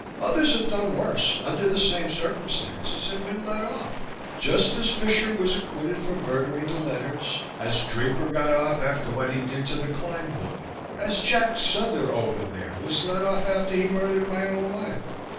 Others have done worse, under the same circumstances, and been let off. Just as Fisher was acquitted for murdering the Learnards, as Draper got off after what he did to the Cline boy. As Jack Souther over there was let off after he murdered my own wife.